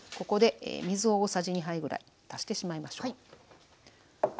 ここで水を大さじ２杯ぐらい足してしまいましょう。